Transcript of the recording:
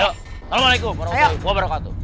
assalamualaikum warahmatullahi wabarakatuh